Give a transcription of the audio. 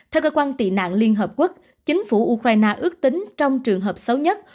theo cơ quan tị nạn liên hợp quốc chính phủ ukraine ước tính trong trường hợp xấu nhất